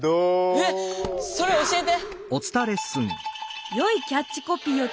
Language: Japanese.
えっ⁉それ教えて！